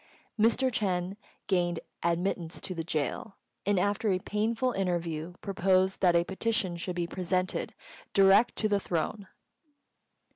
Mr. Ch'êng gained admittance to the gaol, and, after a painful interview, proposed that a petition should be presented direct to the Throne.